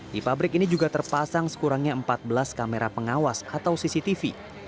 di pabrik ini juga terpasang sekurangnya empat belas kamera pengawas atau cctv